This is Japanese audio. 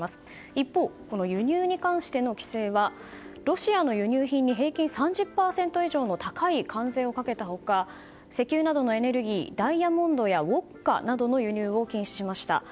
一方輸入に関しての規制はロシアからの輸入品に平均３０％以上の高い関税をかけた他石油などのエネルギーダイヤモンドやウォッカなどの輸入も禁止しました。